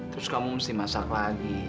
terus kamu mesti masak lagi